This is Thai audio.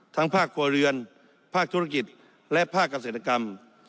ภาคครัวเรือนภาคธุรกิจและภาคเกษตรกรรม